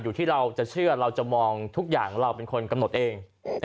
อยู่ที่เราจะเชื่อเราจะมองทุกอย่างเราเป็นคนกำหนดเอง